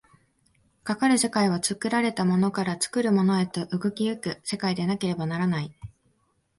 かかる世界は作られたものから作るものへと動き行く世界でなければならない。